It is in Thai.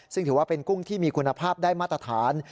ซึ่งถือว่าเป็นกุ้งที่มีคุณภาพได้มาตรฐาน